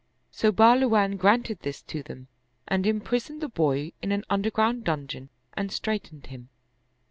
So Bahluwan granted this to them and imprisoned the boy in an underground dungeon and straitened him.